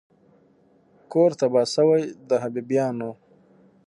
کور تباه سوی د حبیبیانو